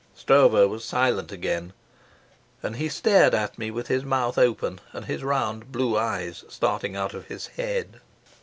Stroeve was silent again, and he stared at me with his mouth open and his round blue eyes starting out of his head.